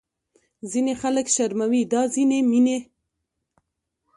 ځینې خلک شرموي دا ځینې مینې